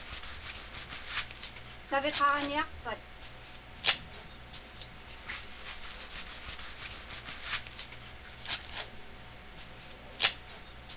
Saviqaġniaqpat?